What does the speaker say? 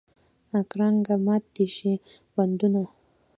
کرنګه مات دې شي بندونه.